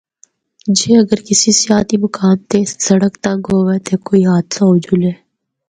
جے اگر کسی سیاحتی مقام تے سڑک تنگ ہووا تے کوئی حادثہ ہو جُلے۔